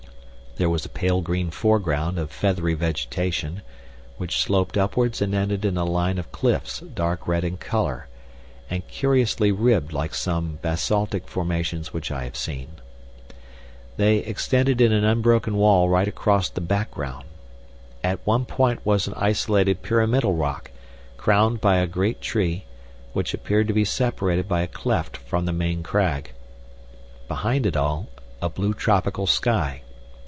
There was a pale green foreground of feathery vegetation, which sloped upwards and ended in a line of cliffs dark red in color, and curiously ribbed like some basaltic formations which I have seen. They extended in an unbroken wall right across the background. At one point was an isolated pyramidal rock, crowned by a great tree, which appeared to be separated by a cleft from the main crag. Behind it all, a blue tropical sky.